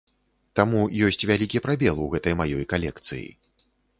Таму ёсць вялікі прабел у гэтай маёй калекцыі.